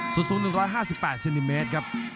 สูตรสูตร๑๕๘ซินิเมตรครับ